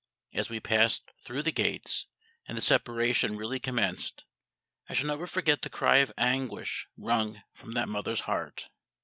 As we passed through the gates, and the separation really commenced, I shall never forget the cry of anguish wrung from that mother's heart.